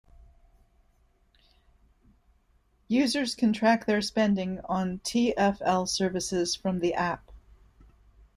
Users can track their spending on TfL services from the app.